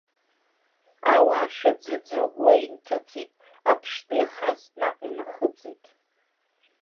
Ауаа шәаӡыӡо уа инҭыҵит, аԥштәы иахаз наҟ инахыҵит.